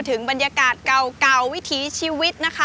ถึงบรรยากาศเก่าวิถีชีวิตนะคะ